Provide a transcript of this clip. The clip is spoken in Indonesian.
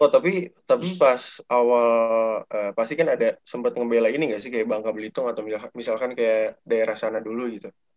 oh tapi tapi pas awal pasti kan ada sempet ngebelain ini gak sih kayak bangka belitung atau misalkan kayak daerah sana dulu gitu